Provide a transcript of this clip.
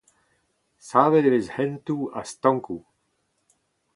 Savet e vez hentoù ha stankoù.